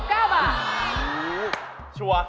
ชัวร์